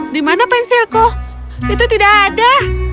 dimana pensilku itu tidak ada